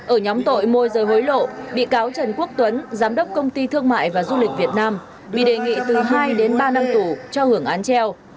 ở nhóm tội môi rời hối lộ bị cáo trần quốc tuấn giám đốc công ty thương mại và du lịch việt nam bị đề nghị từ hai đến ba năm tù cho hưởng án treo